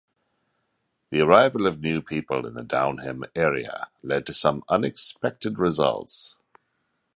The arrival of new people in the Downham area led to some unexpected results.